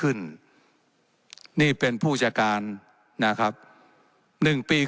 และยังเป็นประธานกรรมการอีก